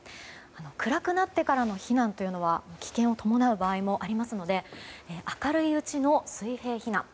暗くなってからの避難は危険を伴うこともありますので明るいうちの水平避難。